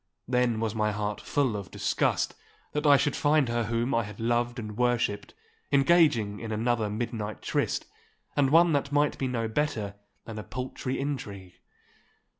Then was my heart full of disgust that I should find her whom I had loved and worshipped engaging in another midnight tryst, and one that might be no better than a paltry intrigue.